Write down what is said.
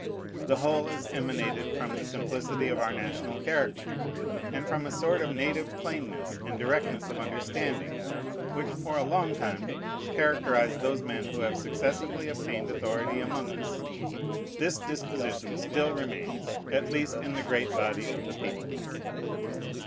The whole has emanated from the simplicity of our national character, and from a sort of native plainness and directness of understanding, which for a long time characterized those men who have successively obtained authority among us. This disposition still remains, at least in the great body of the people.